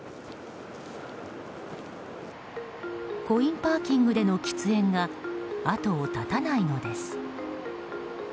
コインパーキングでの喫煙が後を絶たないのです。